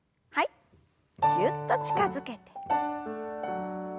ぎゅっと近づけて。